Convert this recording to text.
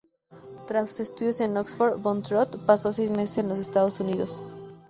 Tras sus estudios en Oxford, von Trott pasó seis meses en los Estados Unidos.